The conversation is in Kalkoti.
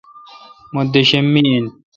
مہ دیشم می این۔